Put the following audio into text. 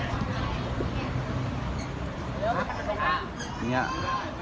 ข้าจะได้สมความสับสะแล้วนะครับ